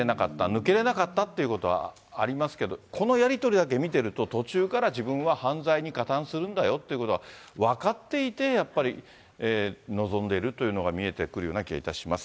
抜けれなかったということはありますけど、このやり取りだけ見てると、途中から自分は犯罪に加担するんだよということは分かっていて、やっぱり、臨んでいるというのが見えてくるような気がいたします。